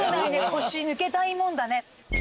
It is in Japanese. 腰抜けたいもんだね。